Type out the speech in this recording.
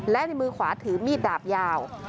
และในมือขวาถือมีดดาบยาว